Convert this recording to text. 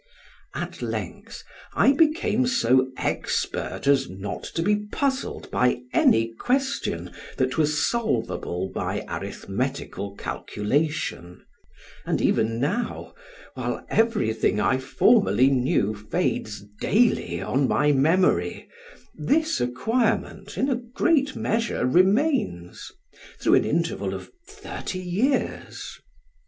At length I became so expert as not to be puzzled by any question that was solvable by arithmetical calculation; and even now, while everything I formerly knew fades daily on my memory, this acquirement, in a great measure remains, through an interval of thirty years.